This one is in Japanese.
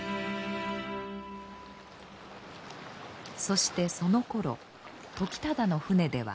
そしてそのころ時忠の船では。